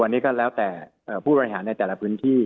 วันนี้ก็แล้วแต่ผู้บริหารในแต่ละพื้นที่